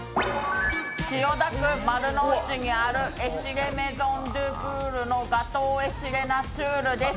千代田区丸の内にあるエシレ・メゾンデュブールのガトー・エシレナチュールです！